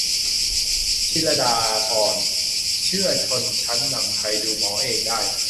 'ชลิดาภรณ์' เชื่อชนชั้นนำไทยดูหมอเองได้